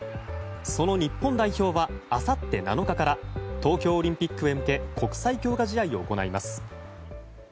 その日本代表はあさって７日から東京オリンピックへ向け国際強化試合を行います。